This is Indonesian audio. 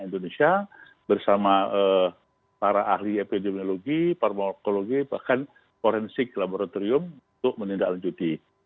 indonesia bersama para ahli epidemiologi parmokologi bahkan forensik laboratorium untuk menindaklanjuti